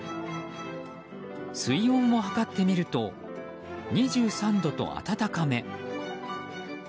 水温を測ってみると２３度と温かめ。